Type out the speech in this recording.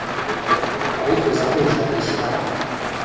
abifuza kwinjira mu ishyirahamwe